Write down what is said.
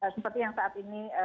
seperti yang saat ini